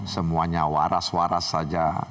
semuanya waras waras saja